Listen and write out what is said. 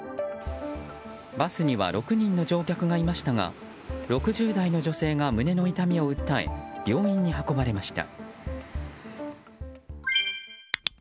バスには６人の乗客がいましたが６０代の女性が胸の痛みを訴え病院に運ばれました。